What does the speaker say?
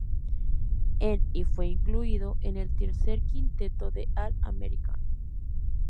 En y fue incluido en el tercer quinteto del All-American.